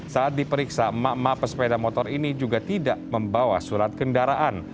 saat diperiksa emak emak pesepeda motor ini juga tidak membawa surat kendaraan